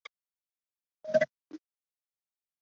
匍匐柳叶箬为禾本科柳叶箬属下的一个种。